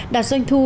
đạt doanh thu